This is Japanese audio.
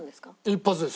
一発ですよ。